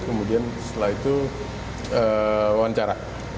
kemudian setelah itu wawancara